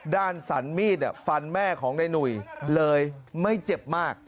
สันมีดฟันแม่ของในหนุ่ยเลยไม่เจ็บมาก